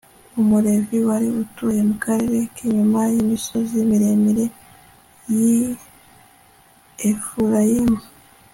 umulevi wari utuye mu karere k'inyuma y'imisozi miremire y'i efurayimu